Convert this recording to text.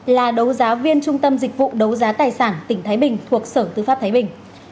là đấu giá viên trung tâm dịch vụ đấu giá tài sản tỉnh thái bình thuộc sở tư pháp thái bình